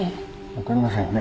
分かりませんよね。